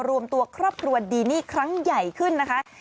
รวมตัวครอบครัวดีนี่ครั้งใหญ่ขึ้นนะคะ